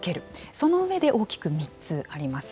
その上で、大きく３つあります。